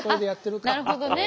なるほどね。